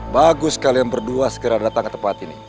bagus kalian berdua segera datang ke tempat ini